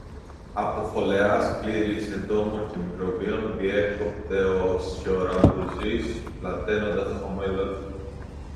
Από φωλεάς πλήρεις εντόμων και μικροβίων, διέκοπτε ο σιορΑμπρουζής πλαταίνοντας το χαμόγελο του.